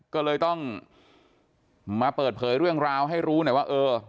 ก็เลยต้องมาเปิดเผยเรื่องราวให้รู้หน่อยว่าเออ